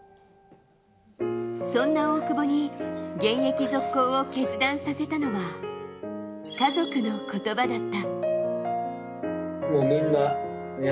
そんな大久保に現役続行を決断させたのは家族の言葉だった。